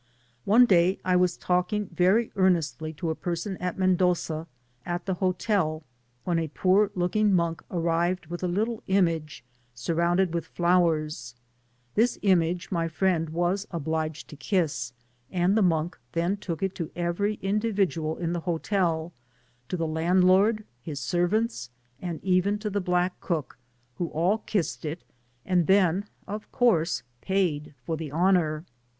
One day, I was talking very earnestly to a person at Mmdoza, at the hotel, when a poor lodung mcaik arrived unth a little image surrounded with flowers : this image my friend was obliged to kiss, and the monk then todc it to every individual in the hotel— to the landlcnrd, his servants, and even to the black code, who all kissed it, and then of course paid for the honour.